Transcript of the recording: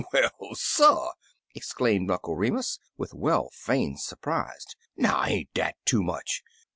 "Well, suh!" exclaimed Uncle Remus, with well feigned surprise. "Now, ain't dat too much